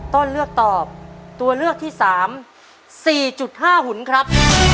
ต้นเลือกตอบตัวเลือกที่๓๔๕หุ่นครับ